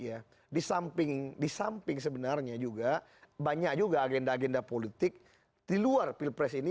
ya di samping di samping sebenarnya juga banyak juga agenda agenda politik di luar pilpres ini